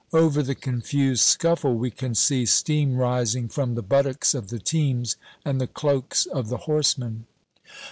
Over the confused scuffle we can see steam rising from the buttocks of the teams and the cloaks of the horsemen.